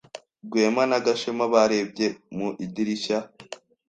Rwema na Gashema barebye mu idirishya.